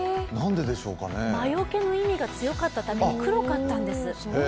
魔よけの意味が強かったために黒かったんです。